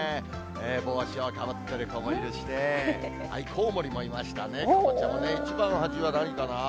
帽子をかぶってる子もいるしね、コウモリもいましたね、こちらも、一番端は何かな？